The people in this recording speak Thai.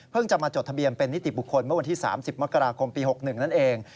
จะมาจดทะเบียนเป็นนิติบุคคลเมื่อวันที่๓๐มกราคมปี๖๑นั่นเอง